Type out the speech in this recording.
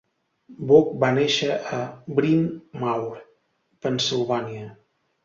Bok va néixer a Bryn Mawr, Pennsilvània.